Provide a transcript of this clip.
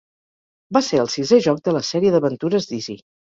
Va ser el sisè joc de la sèrie d'aventures Dizzy.